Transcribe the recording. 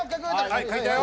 はい書いたよ。